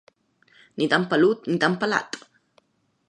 Ni tan pelut, ni tan pelat.